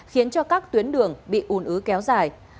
khiến cho các tuyến đường bị ùn ứ kéo dài